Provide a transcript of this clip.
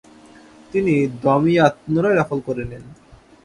তিনি দমইয়াত পুনরায় দখল করে নেন।